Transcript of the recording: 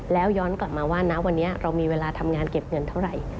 แล้วย้อนกลับมาว่านะวันนี้เรามีเวลาทำงานเก็บเงินเท่าไหร่